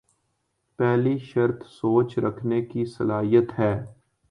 پہلی شرط سوچ رکھنے کی صلاحیت ہے۔